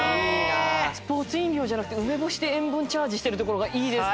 スポーツ飲料じゃなくて梅干しで塩分チャージしてるところがいいですね！